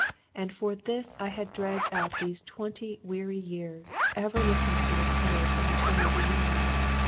And for this I had dragged out these twenty weary years, ever longing for repose and the eternal reunion!